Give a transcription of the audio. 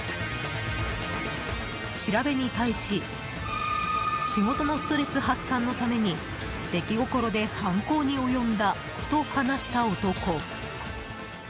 調べに対し仕事のストレス発散のために出来心で犯行に及んだと話した男。